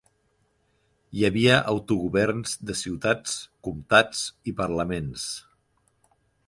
Hi havia autogoverns de ciutats, comtats i parlaments.